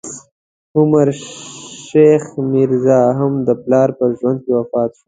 عمر شیخ میرزا، هم د پلار په ژوند کې وفات شو.